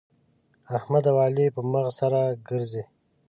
احمد او علي په مغزي سره ګرزي.